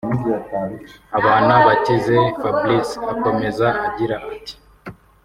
Habanabakize Fabrice akomeza agira ati